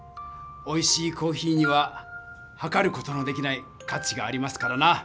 おいしいコーヒーには量る事のできない価値がありますからな。